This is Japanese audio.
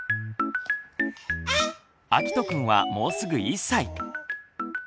あきとくんはもうすぐ１歳。